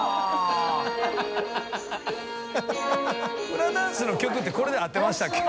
フラダンスの曲ってこれで合ってましたっけ？